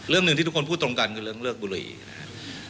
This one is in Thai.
เรื่องหนึ่งที่ทุกคนพูดตรงกันคือเรื่องเลิกบุรีนะครับ